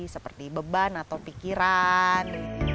seperti beban atau pikiran